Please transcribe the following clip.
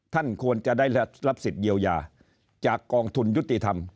ท่านควรจะได้รับสิทธิ์เยียวยาจากกองทุนยุติธรรม